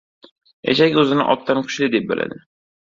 • Eshak o‘zini otdan kuchli deb biladi.